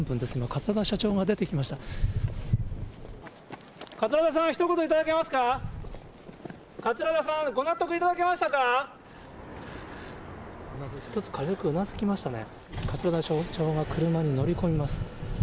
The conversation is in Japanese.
桂田社長が車に乗り込みます。